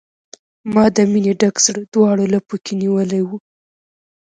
ما د مینې ډک زړه، دواړو لپو کې نیولی و